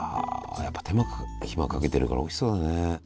やっぱり手間暇かけてるからおいしそうだね。